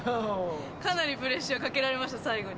かなりプレッシャーかけられました、最後に。